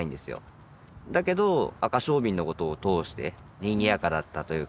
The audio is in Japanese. だけどアカショウビンのことを通してにぎやかだったというか。